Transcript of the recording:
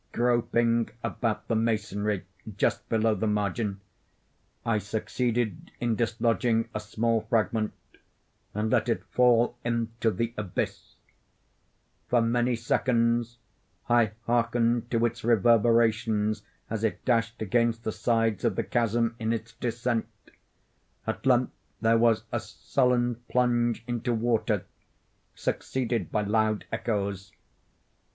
Groping about the masonry just below the margin, I succeeded in dislodging a small fragment, and let it fall into the abyss. For many seconds I hearkened to its reverberations as it dashed against the sides of the chasm in its descent; at length there was a sullen plunge into water, succeeded by loud echoes.